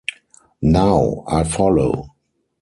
Now I follow.